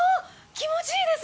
気持ちいいです。